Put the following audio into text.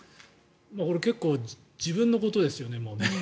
結構もう自分のことですよね。